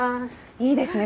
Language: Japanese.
いいですね